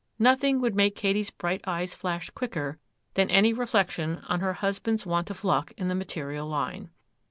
Nothing would make Katy's bright eyes flash quicker than any reflections on her husband's want of luck in the material line.